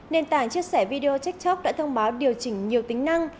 nền tảng chia sẻ video tiktok đã thông báo điều chỉnh nhiều tính năng